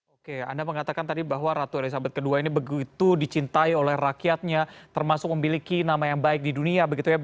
oke anda mengatakan tadi bahwa ratu elizabeth ii ini begitu dicintai oleh rakyatnya termasuk memiliki nama yang baik di dunia begitu ya